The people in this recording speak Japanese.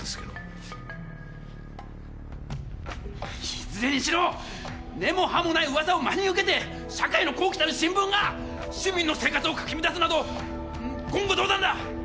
いずれにしろ根も葉もない噂を真に受けて社会の公器たる新聞が市民の生活をかき乱すなど言語道断だ！